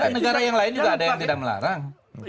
negara yang lain juga ada yang tidak melarang